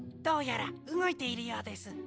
どうやらうごいているようです。